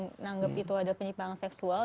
menanggap itu adalah penyimpangan seksual